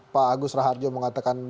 pak agus raharjo mengatakan